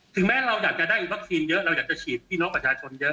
แม้เราอยากจะได้วัคซีนเยอะเราอยากจะฉีดพี่น้องประชาชนเยอะ